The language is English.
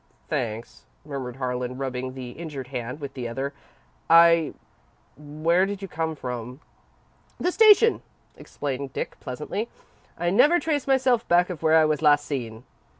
"Thanks," murmured Harlan, rubbing the injured hand with the other. "I where did you come from?" "The station," explained Dick, pleasantly. "I never trace myself back of where I was last seen."